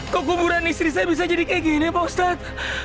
kok kuburan istri saya bisa jadi kayak gini ya bapak ustaz